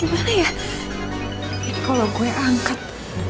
ini kalau gue angkat